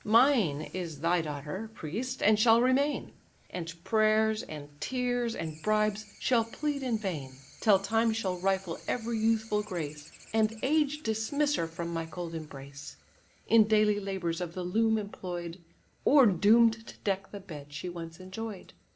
Mine is thy daughter, priest, and shall remain; And prayers, and tears, and bribes, shall plead in vain; Till time shall rifle every youthful grace, And age dismiss her from my cold embrace, In daily labours of the loom employ'd, Or doom'd to deck the bed she once enjoy'd.